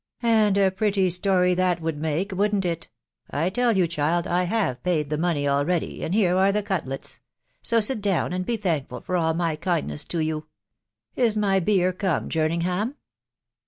" And a pretty story that would make, wouldn't it ?.... T tell you, child, I have paid the money already .... and here are the cutlets ; so sit down, and be thankful for all my kind ness to you. ... Is my beer come, Jerningham